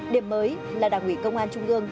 điểm mới là đảng ủy công an trung ương